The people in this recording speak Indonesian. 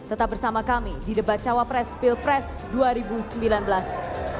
tetap bersama kami di debat cawa press spiel press dua ribu sembilan belas